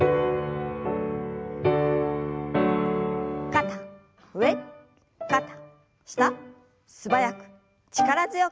肩上肩下素早く力強く。